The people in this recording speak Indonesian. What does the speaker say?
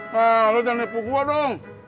nah lo jangan lepuk gue dong